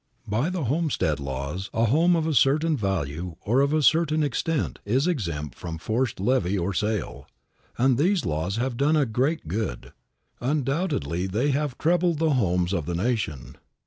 By the homestead laws, a home of a certain value or of a certain extent, is exempt from forced levy or sale; and these laws have done great good. Undoubtedly they have trebled the homes of the nation.